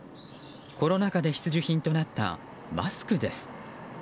コロナ禍で必需品となったマスクです。